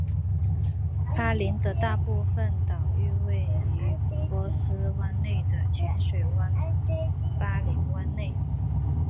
巴林的大部分岛屿位于波斯湾内的浅水湾巴林湾内。